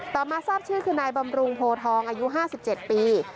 มาทราบชื่อคือนายบำรุงโพทองอายุ๕๗ปี